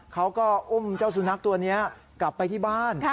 เขาก็อุ้มเจ้าสุนัขตัวนี้กลับไปที่บ้าน